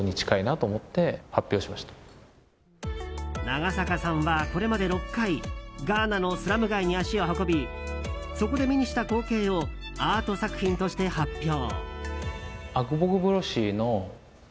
長坂さんは、これまで６回ガーナのスラム街に足を運びそこで目にした光景をアート作品として発表。